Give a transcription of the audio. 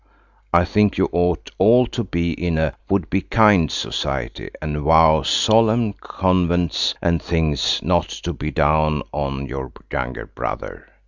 I think you ought all to be in a Would be Kind Society, and vow solemn convents and things not to be down on your younger brother."